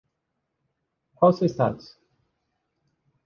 Qual o seu status?